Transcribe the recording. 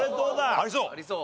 ありそう。